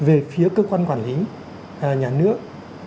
thứ nhất là về phía cơ quan quản lý nhà nước